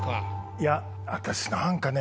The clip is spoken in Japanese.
いや私なんかね。